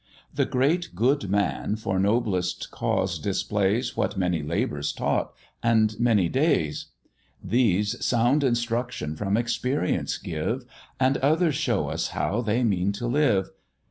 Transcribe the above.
The great, good man, for noblest cause displays What many labours taught, and many days; These sound instruction from experience give, The others show us how they mean to live.